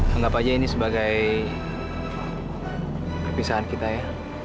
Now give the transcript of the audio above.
anggap aja ini sebagai perpisahan kita ya